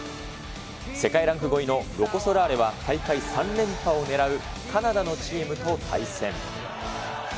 世界ランク５位のロコ・ソラーレは大会３連覇をねらうカナダのチームと対戦。